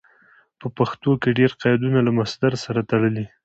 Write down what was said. په پښتو کې ډېر قیدونه له مصدر سره تړلي دي.